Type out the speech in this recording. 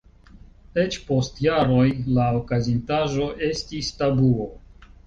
Eĉ, post jaroj la okazintaĵo estis tabuo.